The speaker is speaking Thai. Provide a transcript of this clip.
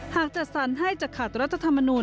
จัดสรรให้จะขาดรัฐธรรมนูล